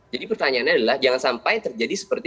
jadi pertanyaannya adalah jangan sampai terjadi seperti